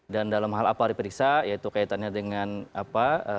dan dalam hal apa diperiksa yaitu kaitannya dengan apa